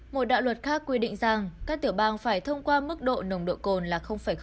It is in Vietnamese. một đạo luật khác quy định rằng các tiểu bang phải thông qua mức độ nồng độ cồn là